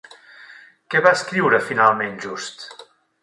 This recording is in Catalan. Què va escriure finalment Just?